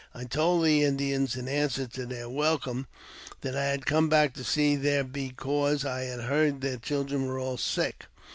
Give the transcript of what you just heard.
I told the Indians, in answer to their welcome, that I had come back to see them because I had heard their children were all sick.